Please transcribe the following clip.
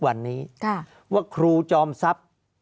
ภารกิจสรรค์ภารกิจสรรค์